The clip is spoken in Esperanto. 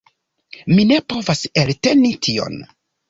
Mi ne povas elteni tion.